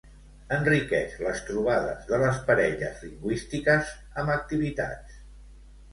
enriqueix les trobades de les parelles lingüístiques amb activitats